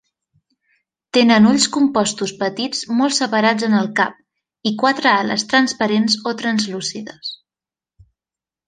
Tenen ulls compostos petits molt separats en el cap i quatre ales transparents o translúcides.